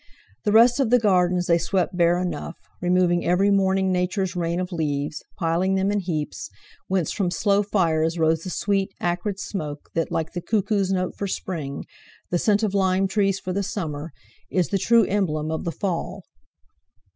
The rest of the gardens they swept bare enough, removing every morning Nature's rain of leaves; piling them in heaps, whence from slow fires rose the sweet, acrid smoke that, like the cuckoo's note for spring, the scent of lime trees for the summer, is the true emblem of the fall.